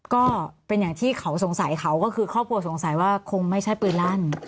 ก็เป็นอย่างที่เขาสงสัยเขาก็คือครอบครัวสงสัยว่าคงไม่ใช่ปืนลั่น